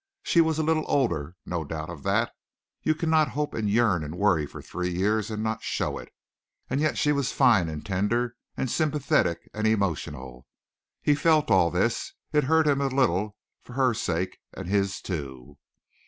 She was a little older, no doubt of that. You cannot hope and yearn and worry for three years and not show it. And yet she was fine and tender and sympathetic and emotional. He felt all this. It hurt him a little for her sake and his too.